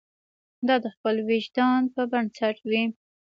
دا د خپل وجدان پر بنسټ وي.